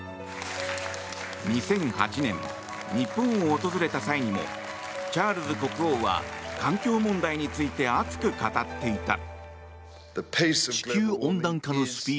２００８年、日本を訪れた際にもチャールズ国王は環境問題について熱く語っていた。